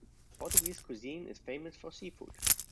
Portuguese cuisine is famous for seafood.